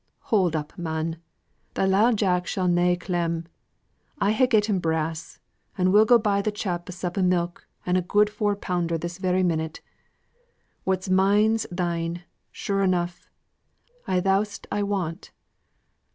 "Hou'd up, man. Thy lile Jack shall na' clem. I ha' gotten brass, and we'll go buy the chap a sup o' milk an' a good four pounder this very minute. What's mine's thine, sure enough, i' thou'st i' want.